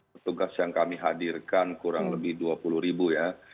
petugas yang kami hadirkan kurang lebih dua puluh ribu ya